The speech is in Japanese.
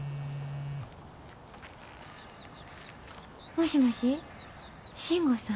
もしもし信吾さん？